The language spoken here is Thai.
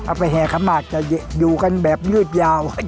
เอาไปแห่คำนาจจะอยู่กันแบบยืดยาว